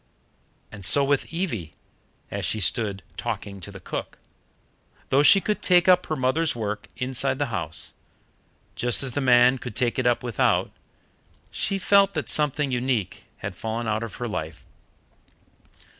And so with Evie, as she stood talking to the cook. Though she could take up her mother's work inside the house, just as the man could take it up without, she felt that something unique had fallen out of her life.